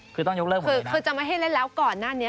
คือต้องยกเลิกหัวดีนะครับคือจะไม่ให้เล่นแล้วก่อนหน้านี้